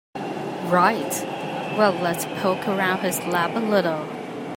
Right, well let's poke around his lab a little.